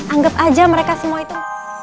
anggap aja mereka semua itu